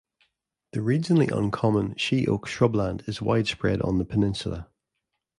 The regionally uncommon she oak shrubland is widespread on the peninsula.